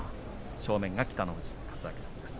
正面が北の富士勝昭さんです。